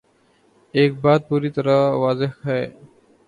ایک بات پوری طرح واضح ہے۔